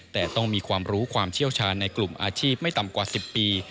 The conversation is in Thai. แต่ต้องมีความรู้ความเชี่ยวชาญในกลุ่มอาชีพไม่ต่ำกว่า๑๐ปี